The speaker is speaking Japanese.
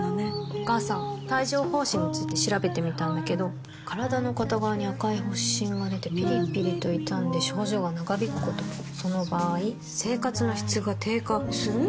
お母さん帯状疱疹について調べてみたんだけど身体の片側に赤い発疹がでてピリピリと痛んで症状が長引くこともその場合生活の質が低下する？